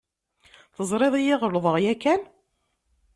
Teẓriḍ-iyi ɣelḍeɣ yakan?